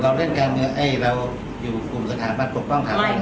เราเล่นการเราอยู่กลุ่มสถานบัตรปกป้องขาวไม่มีค่ะ